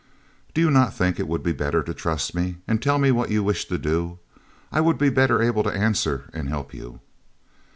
"Do you not think it would be better to trust me and tell me what you wish to do? I would be better able to answer and help you."